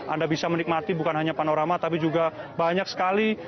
anda bisa menikmati bukan hanya panorama tapi juga banyak sekali